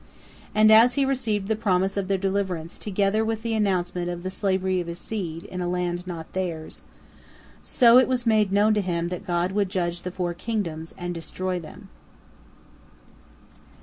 And as he received the promise of their deliverance together with the announcement of the slavery of his seed, in a land not theirs, so it was made known to him that God would judge the four kingdoms and destroy them.